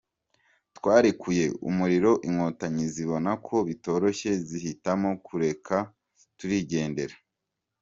Twarekuye umuriro inkotanyi zibona ko bitoroshye zihitamo kutureka turigendera.